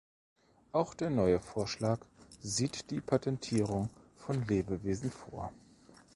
Auch der neue Vorschlag sieht die Patentierung von Lebewesen vor.